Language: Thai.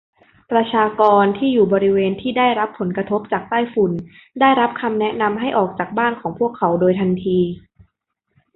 ประชากรที่อยู่บริเวณที่ได้รับผลกระทบจากไต้ฝุ่น ได้รับคำแนะนำให้ออกจากบ้านของพวกเขาโดยทันที